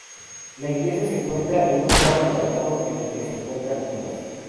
La iglesia se localiza en un lugar amurallado en el que se encuentran tumbas.